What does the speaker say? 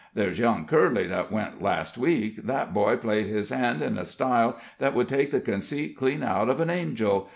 There's young Curly, that went last week. That boy played his hand in a style that would take the conceit clean out uv an angel.